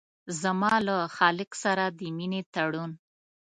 زما له خالق سره د مينې تړون